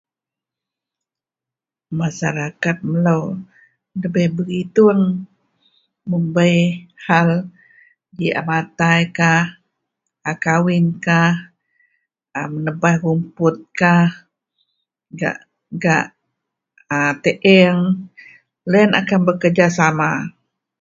Masarakat melo debei berituong mun bei hal ji a matai kah a kawin kah a menebaih ruput kah gak gak a teang loyen akan bekerjasama.